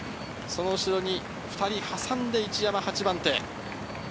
後ろに２人挟んで一山、８番手。